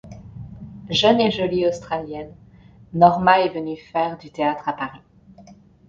Jeune et jolie Australienne, Norma est venue faire du théâtre à Paris.